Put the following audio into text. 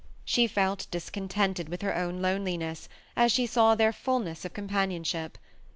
She felt discon tented with her own loneliness as she saw their fulness of companionship.